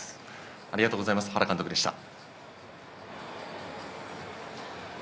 ありがとうございます、原監督でした。